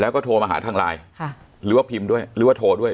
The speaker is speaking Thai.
แล้วก็โทรมาหาทางไลน์หรือว่าพิมพ์ด้วยหรือว่าโทรด้วย